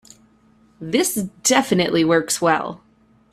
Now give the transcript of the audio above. This definitely works well.